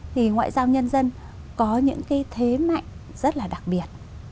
thì ngoại giao nhân dân có những cái thế mạnh rất là đặc biệt